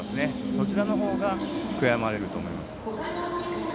そちらの方が悔やまれると思います。